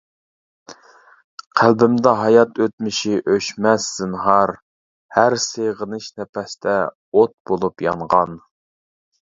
قەلبىمدە ھايات ئۆتمۈشى ئۆچمەس زىنھار، ھەر سېغىنىش نەپەستە ئوت بولۇپ يانغان!